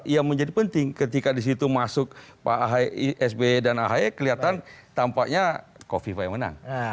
yang menjadi penting ketika di situ masuk pak sby dan ahy kelihatan tampaknya kofifa yang menang